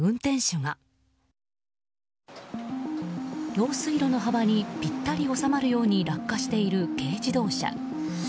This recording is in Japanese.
用水路の幅にぴったり収まるように落下している軽自動車。